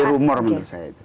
jadi rumor menurut saya itu